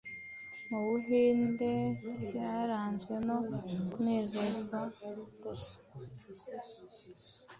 mu Buhinde byaranzwe no kunezerwa gusa